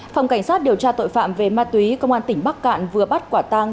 phòng cảnh sát điều tra tội phạm về ma túy công an tỉnh bắc cạn vừa bắt quả tang